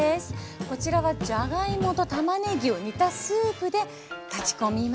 こちらはじゃがいもとたまねぎを煮たスープで炊き込みます。